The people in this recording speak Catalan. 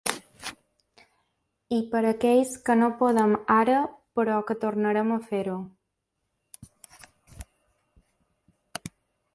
I per aquells que no podem ara però que tornarem a fer-ho.